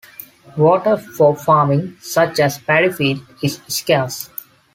Water for farming, such as paddy fields, is scarce.